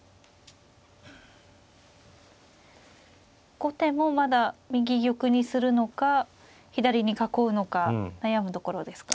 後手もまだ右玉にするのか左に囲うのか悩むところですか。